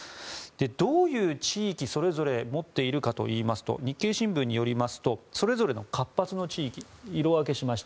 どういう地域、それぞれ持っているかといいますと日経新聞によりますとそれぞれ、活発な地域を色分けしました。